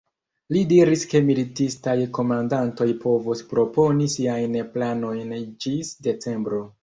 Li diris, ke militistaj komandantoj povos proponi siajn planojn ĝis decembro.